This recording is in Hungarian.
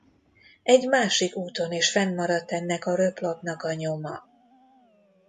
Egy másik úton is fennmaradt ennek a röplapnak a nyoma.